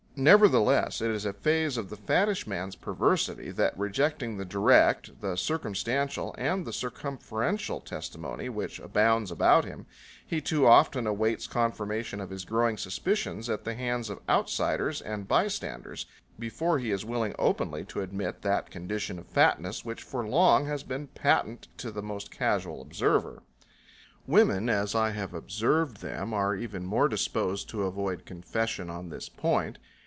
Nevertheless, it is a phase of the fattish man's perversity that, rejecting the direct, the circumstantial and the circumferential testimony which abounds about him, he too often awaits confirmation of his growing suspicions at the hands of outsiders and bystanders before he is willing openly to admit that condition of fatness which for long has been patent to the most casual observer. Women, as I have observed them, are even more disposed to avoid confession on this point.